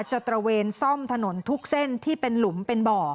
ตระเวนซ่อมถนนทุกเส้นที่เป็นหลุมเป็นบ่อ